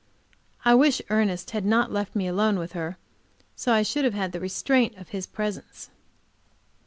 I wish Ernest had not left me alone with her, so that I should have had the restraint of his presence.